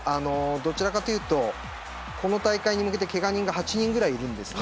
どちらかというとこの大会に向けてけが人が８人ぐらいいるんです。